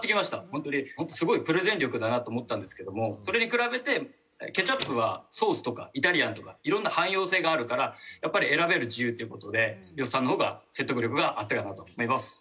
本当にすごいプレゼン力だなと思ったんですけどもそれに比べてケチャップはソースとかイタリアンとかいろんな汎用性があるからやっぱり選べる自由という事で呂布さんの方が説得力があったかなと思います。